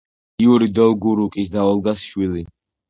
იური დოლგორუკის და ოლგას შვილი.